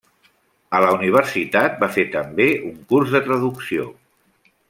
A la universitat va fer també un curs de traducció.